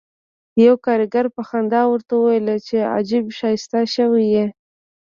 یوه کارګر په خندا ورته وویل چې عجب ښایسته شوی یې